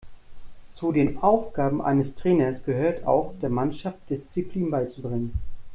Zu den Aufgaben eines Trainers gehört auch, der Mannschaft Disziplin beizubringen.